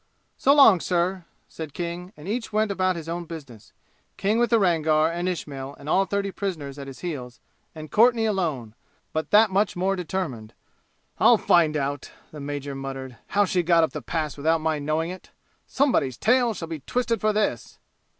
"So long, sir," said King, and each went about his own business, King with the Rangar, and Ismail and all thirty prisoners at his heels, and Courtenay alone, but that much more determined. "I'll find out," the major muttered, "how she got up the Pass without my knowing it. Somebody's tail shall be twisted for this!"